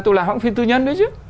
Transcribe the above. tôi làm khoảng phim tư nhân đấy chứ